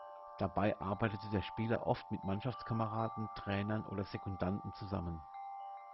Dabei arbeitete der Spieler oft mit Mannschaftskameraden, Trainern oder Sekundanten zusammen.